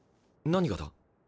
何がだ？